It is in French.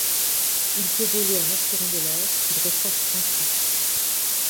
Il peut voler en aspirant de l'air, qu'il recrache ensuite.